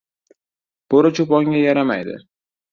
• Bo‘ri cho‘ponga yaramaydi.